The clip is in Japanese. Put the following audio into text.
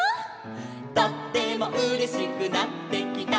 「とってもうれしくなってきた」